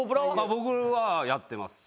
僕はやってます。